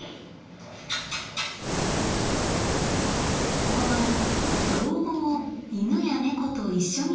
ここは老後を犬や猫と一緒に過ごせる施設。